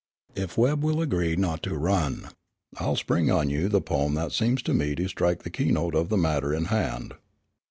"If Webb will agree not to run, I'll spring on you the poem that seems to me to strike the keynote of the matter in hand."